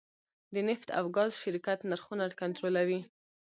د نفت او ګاز شرکت نرخونه کنټرولوي؟